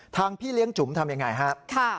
ทางพี่เลี้ยงจุ๋มทำอย่างไรฮะ